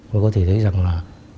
mình có thể thấy rằng là